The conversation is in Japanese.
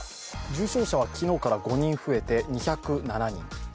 重症者は昨日から５人増えて２０７人。